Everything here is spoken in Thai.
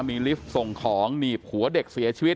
มีลิฟต์ส่งของหนีบหัวเด็กเสียชีวิต